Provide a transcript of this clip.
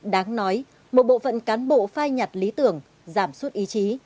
đáng nói một bộ phận cán bộ phai nhạt lý tưởng giảm suất ý chí